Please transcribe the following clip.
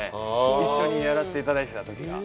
一緒にやらせていただいてたときが。